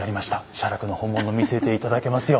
写楽の本物見せて頂けますよ。